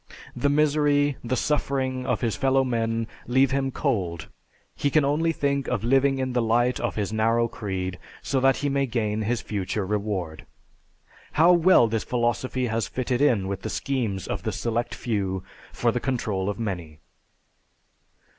The misery, the suffering, of his fellow men leave him cold; he can only think of living in the light of his narrow creed so that he may gain his future reward. How well this philosophy has fitted in with the schemes of the select few for the control of the many!